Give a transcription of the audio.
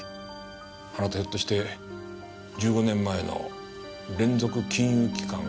あなたひょっとして１５年前の連続金融機関脅迫事件の。